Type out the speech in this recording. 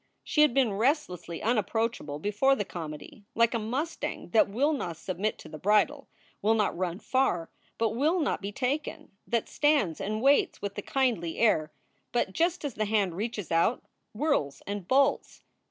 She had been restlessly unapproachable before the comedy, like a mustang that will not submit to the bridle, will not run far, but will not be taken; that stands and waits with a kindly air, but, just as the hand reaches out, whirls and bolts.